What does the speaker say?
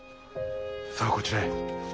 さあこちらへ。